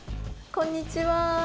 こんにちは。